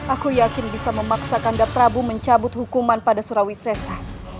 aku yakin bisa memaksa kandap prabu mencabut hukuman pada surawi sesa